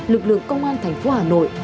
lực lượng công an thành phố hà nội